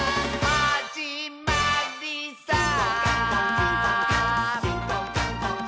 「はじまりさー」